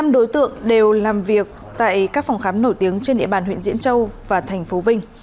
năm đối tượng đều làm việc tại các phòng khám nổi tiếng trên địa bàn huyện diễn châu và thành phố vinh